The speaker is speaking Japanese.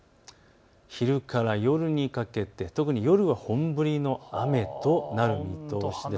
昼から夜にかけて特に夜は本降りの雨となる見込みです。